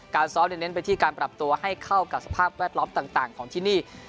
ซ้อมเน้นไปที่การปรับตัวให้เข้ากับสภาพแวดล้อมต่างของที่นี่